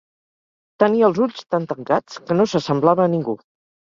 Tenia els ulls tan tancats, que no s'assemblava a ningú.